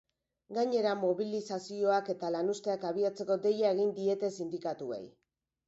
Gainera, mobilizazioak eta lanuzteak abiatzeko deia egin diete sindikatuei.